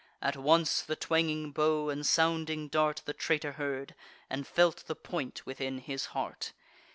At once the twanging bow and sounding dart The traitor heard, and felt the point within his heart.